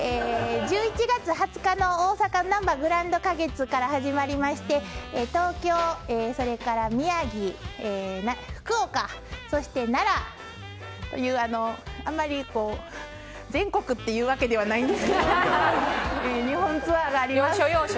１１月２０日の大阪なんばグランド花月から始まりまして東京、それから宮城福岡、そして奈良というあまり全国っていうわけではないんですけど日本ツアーがあります。